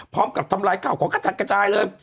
พร้อมกับทำลายก่าวของกระจากใกล้เลย